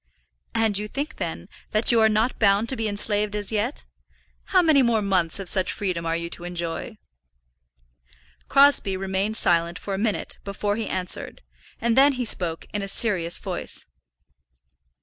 "And you think, then, that you are not bound to be enslaved as yet? How many more months of such freedom are you to enjoy?" Crosbie remained silent for a minute before he answered, and then he spoke in a serious voice.